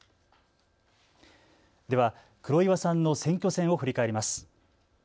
では黒岩さんの選挙戦を振り返ります。